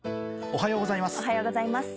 おはようございます。